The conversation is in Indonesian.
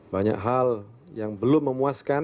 banyak hal yang belum memuaskan